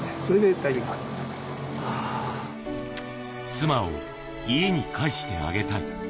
妻を家に帰してあげたい。